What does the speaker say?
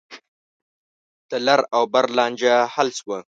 د لر او بر لانجه حل شوه.